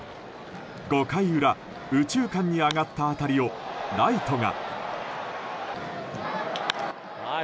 ５回裏、右中間に上がった当たりをライトが。